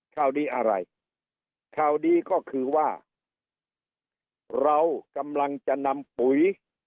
ข่าวดีอะไรข่าวดีก็คือว่าเรากำลังจะนำปุ๋ย